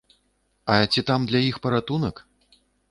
А ці і там для іх паратунак?